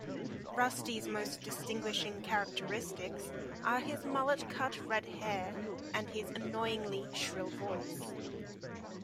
Rusty's most distinguishing characteristics are his mullet-cut red hair and his annoyingly shrill voice.